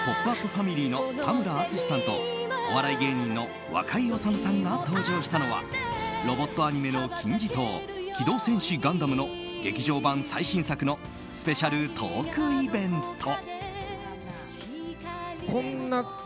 ファミリーの田村淳さんとお笑い芸人の若井おさむさんが登場したのはロボットアニメの金字塔「機動戦士ガンダム」の劇場版最新作のスペシャルトークイベント。